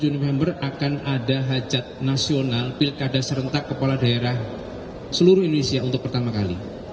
dua puluh november akan ada hajat nasional pilkada serentak kepala daerah seluruh indonesia untuk pertama kali